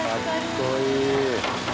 かっこいい！